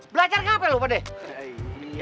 belajar gak apa apa lo pak deh